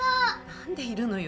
何でいるのよ。